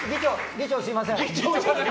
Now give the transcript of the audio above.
議長、すみません。